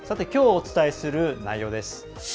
きょう、お伝えする内容です。